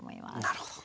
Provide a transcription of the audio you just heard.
なるほど。